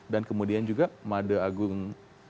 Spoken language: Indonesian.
dan kemudian juga mada agung